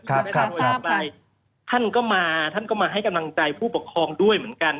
ครับครับครับท่านก็มาท่านก็มาให้กำลังใจผู้ปกครองด้วยเหมือนกัน